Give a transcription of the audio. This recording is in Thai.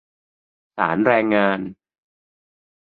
ศาลแรงงาน ?